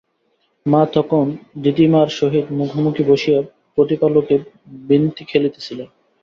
মা তখন দিদিমার সহিত মুখোমুখি বসিয়া প্রদীপালোকে বিন্তি খেলিতেছিলেন।